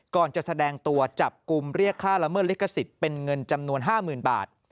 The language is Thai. จะแสดงตัวจับกลุ่มเรียกค่าละเมิดลิขสิทธิ์เป็นเงินจำนวน๕๐๐๐บาท